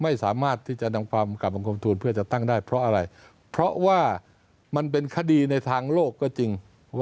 ไม่สามารถที่จะนำความกลับบังคมทูลเพื่อจะตั้งได้เพราะอะไรเพราะว่ามันเป็นคดีในทางโลกก็จริง